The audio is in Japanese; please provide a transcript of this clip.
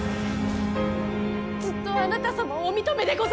ずっとあなた様をお認めでございました！